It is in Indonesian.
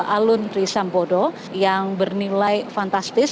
alun trisambodo yang bernilai fantastis